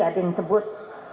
ada yang sebut